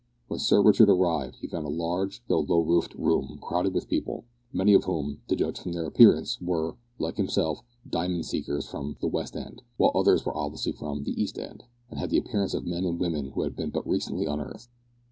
When Sir Richard arrived he found a large though low roofed room crowded with people, many of whom, to judge from their appearance, were, like himself, diamond seekers from the "west end," while others were obviously from the "east end," and had the appearance of men and women who had been but recently unearthed.